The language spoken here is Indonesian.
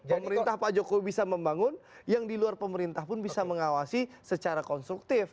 pemerintah pak jokowi bisa membangun yang di luar pemerintah pun bisa mengawasi secara konstruktif